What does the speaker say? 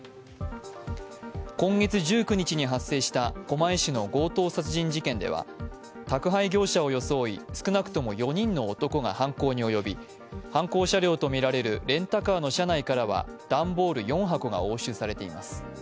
今月１９日に発生した狛江市の強盗殺人事件では宅配業者を装い、少なくとも４人の男が犯行に及び、犯行車両とみられるレンタカーの車内からは段ボール４箱が押収されています。